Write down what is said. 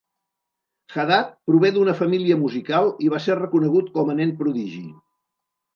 Hadad prové d'una família musical i va ser reconegut com a nen prodigi.